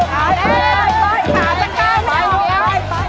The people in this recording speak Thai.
ไปขาจังงั้น